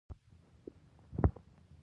په بله ورځ مې زړه نا زړه غوټې وتړلې.